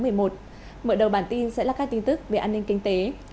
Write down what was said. mở đầu bản tin sẽ là các tin tức về an ninh kinh tế